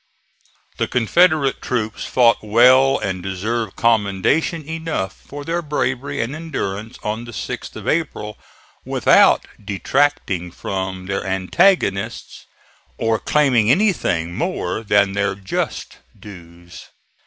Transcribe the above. The Confederate troops fought well and deserve commendation enough for their bravery and endurance on the 6th of April, without detracting from their antagonists or claiming anything more than their just dues.